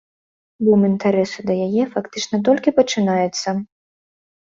Бум інтарэсу да яе фактычна толькі пачынаецца.